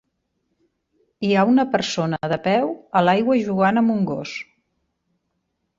Hi ha una persona de peu a l'aigua jugant amb un gos.